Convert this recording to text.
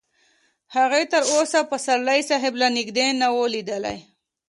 هغې تر اوسه پسرلي صاحب له نږدې نه و لیدلی